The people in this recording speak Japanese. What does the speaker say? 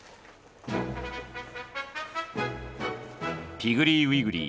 「ピグリー・ウィグリー」